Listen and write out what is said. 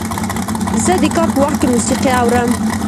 زه د کار په وخت کې موسیقي اورم.